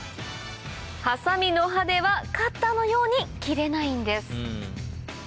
ハサミの刃ではカッターのように切れないんです